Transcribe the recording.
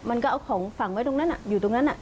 มันก็เอาของฝังไว้ตรงนั้นอยู่ตรงนั้น